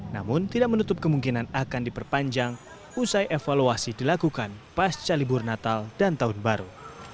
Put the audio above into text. namun tidak menutup kemungkinan akan diperpanjang usai evaluasi dilakukan pasca libur natal dan tahun baru